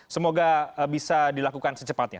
semoga bisa dilakukan secepatnya